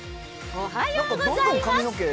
おはようございます。